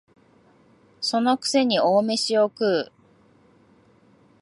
その癖に大飯を食う